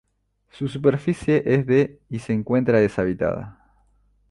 Su superficie es de y se encuentra deshabitada.